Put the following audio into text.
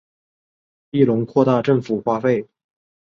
庇隆扩大政府花费。